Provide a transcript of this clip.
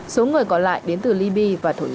số người còn lại đến từ libya và thổ nhĩ kỳ